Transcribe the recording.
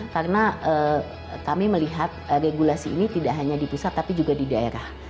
karena kami melihat regulasi ini tidak hanya di pusat tapi juga di daerah